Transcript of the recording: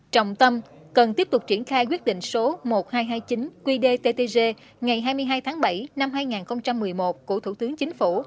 trọng tâm cần tiếp tục triển khai quyết định số một nghìn hai trăm hai mươi chín qdttg ngày hai mươi hai tháng bảy năm hai nghìn một mươi một của thủ tướng chính phủ